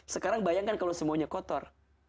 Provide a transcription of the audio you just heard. sekarang bayangkan kalau semuanya kotor